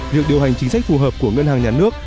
việc điều hành chính sách phù hợp của ngân hàng nhà nước